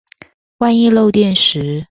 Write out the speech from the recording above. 萬一漏電時